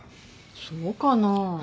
そうかな？